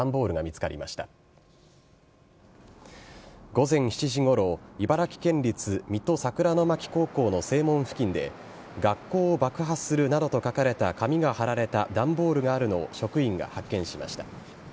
午前７時ごろ茨城県立水戸桜ノ牧高校の正門付近で学校を爆破するなどと書かれた紙が貼られた段ボールがあるのを職員が発見しました。